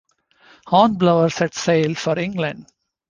Hornblower sets sail for England.